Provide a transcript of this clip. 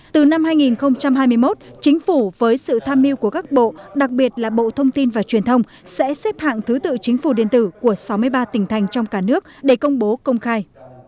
từ năm hai nghìn hai mươi một chính phủ với sự tham mưu của các bộ đặc biệt là bộ thông tin và truyền thông sẽ xếp hạng thứ tự chính phủ điện tử của sáu mươi ba tỉnh thành trong cả nước để công bố công khai